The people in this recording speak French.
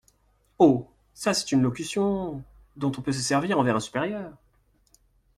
Oh ! ça, c’est une locution… dont on peut se servir envers un supérieur…